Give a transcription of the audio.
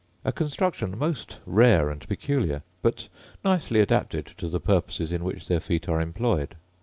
A construction most rare and peculiar, but nicely adapted to the purposes in which their feet are employed.